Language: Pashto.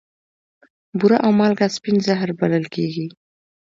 بوره او مالګه سپین زهر بلل کیږي.